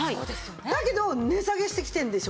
だけど値下げしてきてるんでしょ。